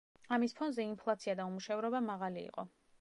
ამის ფონზე ინფლაცია და უმუშევრობა მაღალი იყო.